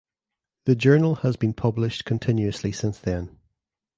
The journal has been published continuously since then.